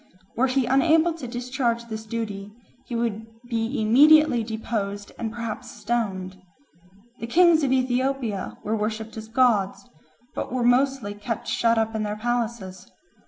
Were he unable to discharge this duty, he would be immediately deposed and perhaps stoned. The kings of Ethiopia were worshipped as gods, but were mostly kept shut up in their palaces.